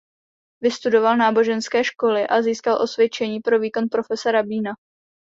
Vystudoval náboženské školy a získal osvědčení pro výkon profese rabína.